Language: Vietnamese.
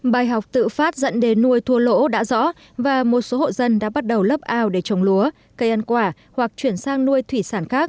bài học tự phát dẫn đến nuôi thua lỗ đã rõ và một số hộ dân đã bắt đầu lấp ao để trồng lúa cây ăn quả hoặc chuyển sang nuôi thủy sản khác